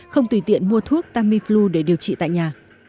không tùy tiện mua thuốc tamiflu để điều trị tại nhà